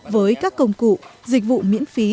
với các công cụ dịch vụ miễn phí